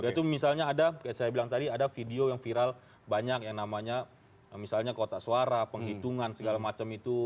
yaitu misalnya ada kayak saya bilang tadi ada video yang viral banyak yang namanya misalnya kotak suara penghitungan segala macam itu